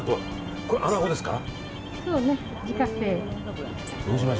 これアナゴですか。